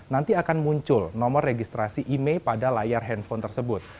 nanti akan muncul nomor registrasi imei pada layar handphone tersebut